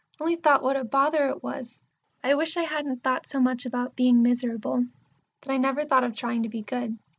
I only thought what a bother it was. I wish I hadn't thought so much about being miserable, that I never thought of trying to be good.